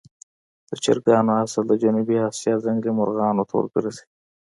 د چرګانو اصل د جنوبي آسیا ځنګلي مرغانو ته ورګرځي.